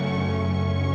gak ada apa apa